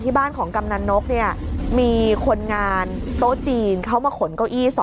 บ้านของกำนันนกเนี่ยมีคนงานโต๊ะจีนเขามาขนเก้าอี้